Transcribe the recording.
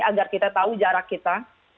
agar kita tahu jarak kita